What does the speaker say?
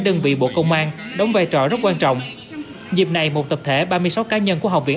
đơn vị bộ công an đóng vai trò rất quan trọng dịp này một tập thể ba mươi sáu cá nhân của học viện